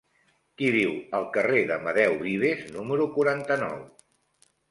Qui viu al carrer d'Amadeu Vives número quaranta-nou?